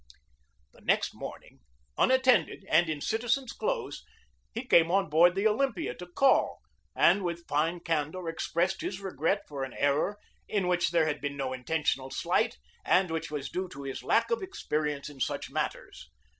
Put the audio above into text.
The next morning, unattended and in citizen's clothes, he came on board the Olympia to call, and with fine candor expressed his regret for an error in which there had been no intentional slight and which was due to his lack of experience in such mat ters.